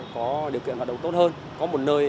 có điều kiện hoạt động tốt hơn có một nơi